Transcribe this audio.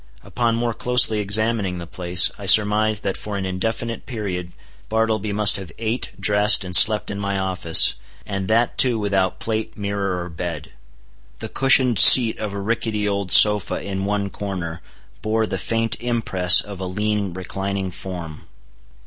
Upon more closely examining the place, I surmised that for an indefinite period Bartleby must have ate, dressed, and slept in my office, and that too without plate, mirror, or bed. The cushioned seat of a rickety old sofa in one corner bore the faint impress of a lean, reclining form.